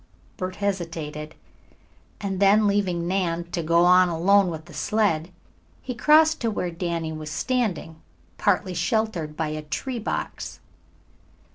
Bert hesitated, and then leaving Nan to go on alone with the sled, he crossed to where Danny was standing, partly sheltered by a tree box.